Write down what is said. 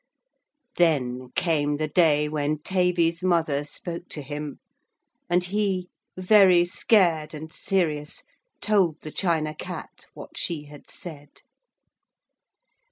Then came the day when Tavy's mother spoke to him, and he, very scared and serious, told the China Cat what she had said.